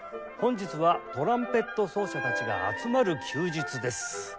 本日は「トランペット奏者たちが集まる休日」です。